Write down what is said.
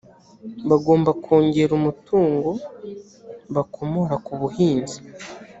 bagomba kongera umutungo bakomora ku buhinzi